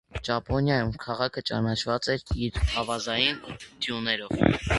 Ճապոնիայում քաղաքը ճանաչված է իր ավազային դյուններով։